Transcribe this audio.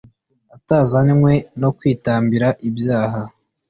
atazanywe no kwitambira ibyaha